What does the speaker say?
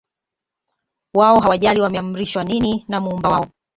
wao hawajali wameamrishwa nini na muumba wao